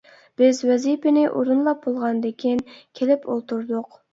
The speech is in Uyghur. — بىز ۋەزىپىنى ئورۇنلاپ بولغاندىكىن كېلىپ ئولتۇردۇق.